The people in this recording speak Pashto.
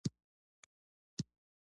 انګلیسي د ژبو له کورنۍ نه ده